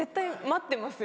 待ってる。